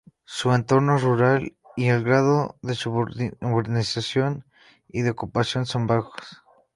Su entorno es rural, y el grado de urbanización y de ocupación son bajos.